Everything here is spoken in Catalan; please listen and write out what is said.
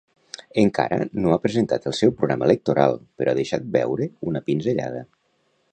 Encara no ha presentat el seu programa electoral, però ha deixat veure una pinzellada.